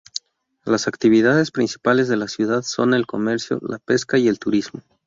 Las actividades principales de la ciudad son el comercio, la pesca y el turismo.